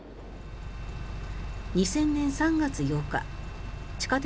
２０００年３月８日地下鉄